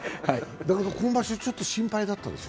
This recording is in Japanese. だけど今場所、ちょっと心配だったでしょ？